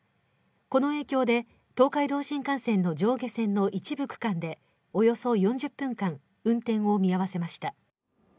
この影響で、東海道新幹線の上下線の一部区間でおよそ４０分間、運転を見合わせました。